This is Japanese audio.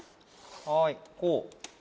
はいこう。